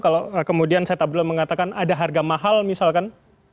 kalau kemudian saya tak perlu mengatakan ada harga mahal misalkan